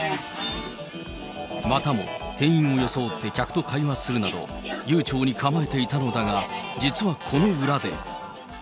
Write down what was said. またも店員を装って客と会話するなど、悠長に構えていたのだが、実はこの裏で。